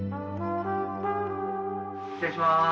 ・失礼しまーす。